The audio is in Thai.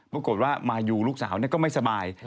ปรากฏว่ามายูลูกสาวก็ไม่สบาย